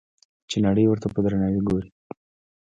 چې نړۍ ورته په درناوي ګوري.